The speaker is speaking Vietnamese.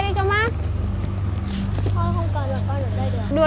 thôi không cần là con ở đây được